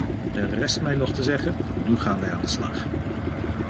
Er rest mij nog te zeggen: nu gaan wij aan de slag.